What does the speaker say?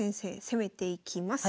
攻めていきます。